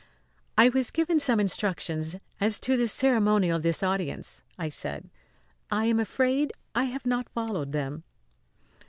"I was given some instructions as to the ceremonial of this audience," I said. "I am afraid I have not followed them!"